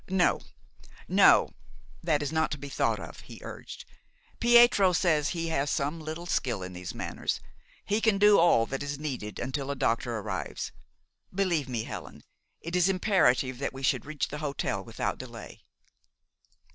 "No, no, that is not to be thought of," he urged. "Pietro says he has some little skill in these matters. He can do all that is needed until a doctor arrives. Believe me, Helen, it is imperative that we should reach the hotel without delay."